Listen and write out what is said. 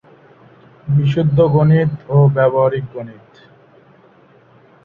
বিশুদ্ধ গণিত ও ব্যবহারিক গণিত।